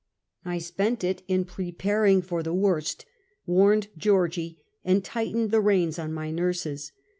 I spent it in preparing for the worst, warned Geor gie, and tightened the reins on my nurses.